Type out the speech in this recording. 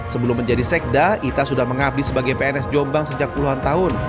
sebelum menjadi sekda ita sudah mengabdi sebagai pns jombang sejak puluhan tahun